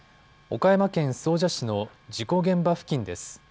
岡山県総社市の事故現場付近です。